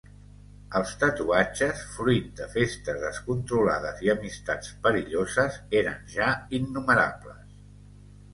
Els tatuatges fruit de festes descontrolades i amistats perilloses eren ja innumerables.